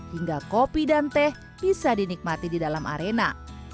hingga kopi dan teh bisa dinikmati di dalam arena